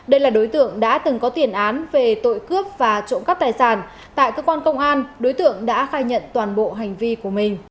đây là đối tượng đã từng có tiền án về tội cướp và trộm cắp tài sản tại cơ quan công an đối tượng đã khai nhận toàn bộ hành vi của mình